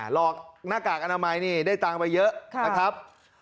หลอกหน้ากากอนามัยนี่ได้ตังค์ไปเยอะนะครับ